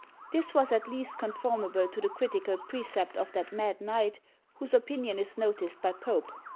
This was at least conformable to the critical precept of that mad knight whose opinion is noticed by Pope.